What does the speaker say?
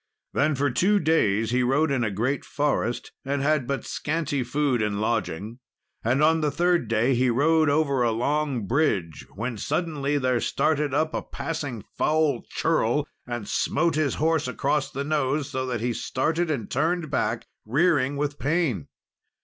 Then for two days he rode in a great forest, and had but scanty food and lodging, and on the third day he rode over a long bridge, when suddenly there started up a passing foul churl, and smote his horse across the nose, so that he started and turned back, rearing with pain.